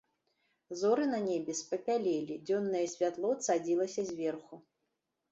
Зоры на небе спапялелі, дзённае святло цадзілася зверху.